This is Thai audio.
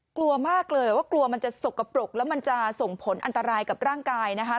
กลัวมากเลยว่ากลัวมันจะสกปรกแล้วมันจะส่งผลอันตรายกับร่างกายนะคะ